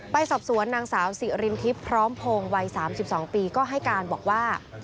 ไปสอบสวนนางสาวสิรินทิพย์พร้อมพงศ์วัย๓๒ปีก็ให้การบอกว่า